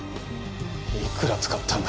いくら使ったんだ？